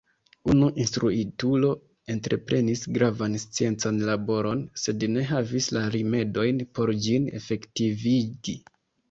Unu instruitulo entreprenis gravan sciencan laboron, sed ne havis la rimedojn por ĝin efektivigi.